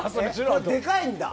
でかいんだ？